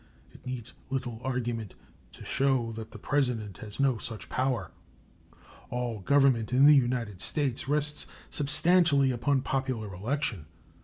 It needs little argument to show that the President has no such power. All government in the United States rests substantially upon popular election.